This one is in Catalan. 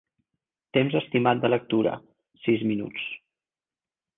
Temps estimat de lectura: sis minuts.